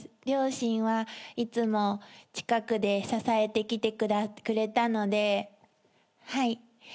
両親はいつも近くで支えてきてくれたのではい。